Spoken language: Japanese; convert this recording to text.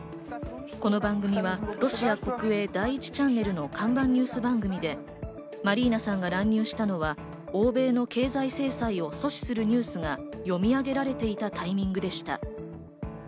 この番組はロシア国営第１チャンネルの看板ニュース番組でマリーナさんが乱入したのは欧米の経済制裁を阻止するニュースが読み上げられていたタイミングでした。